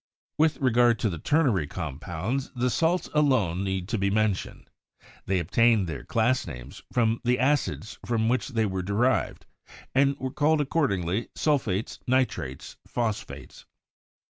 With regard to the ternary compounds, the salts alone need be mentioned. They obtained their class names from the acids from which they were derived, and were called accordingly 'sulfates/ 'nitrates/ 'phosphates.'